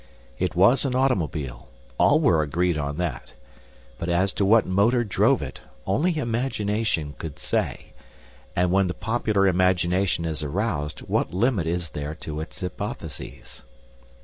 It was an automobile; all were agreed on that. But as to what motor drove it, only imagination could say; and when the popular imagination is aroused, what limit is there to its hypotheses?